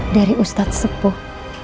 dari ustadz sepuh